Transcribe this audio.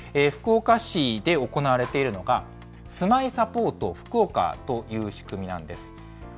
福岡市で行われているのが、住まいサポートふくおかという仕組みなんです。